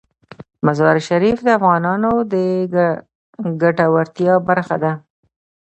مزارشریف د افغانانو د ګټورتیا برخه ده.